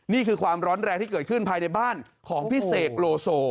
นี่คือความร้อนแรงที่เกิดขึ้นภายในบ้านของพี่เสกโลโซ